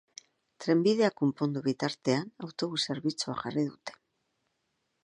Trenbidea konpondu bitartean, autobus zerbitzua jarri dute.